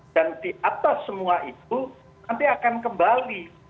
dan di atas semua itu nanti akan kembali